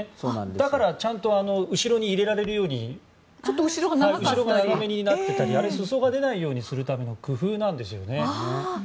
だから、ちゃんと後ろに入れられるようにちょっと後ろが長めになっていたりあれは裾が出ないようにするための工夫なんですよね。